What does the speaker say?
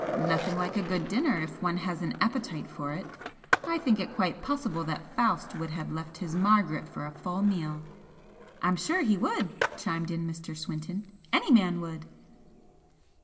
"Nothing like a good dinner if one has an appetite for it. I think it quite possible that Faust would have left his Margaret for a full meal!" "I'm sure he would!" chimed in Mr. Swinton "Any man would!"